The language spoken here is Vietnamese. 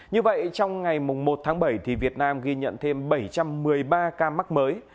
như vậy trong ngày một tháng bảy việt nam ghi nhận thêm bảy trăm một mươi ba ca mắc mới